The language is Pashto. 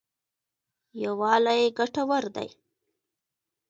یوالی ګټور دی.